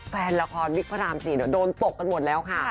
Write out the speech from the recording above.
แฟนละครวิกพระราม๔โดนตกกันหมดแล้วค่ะ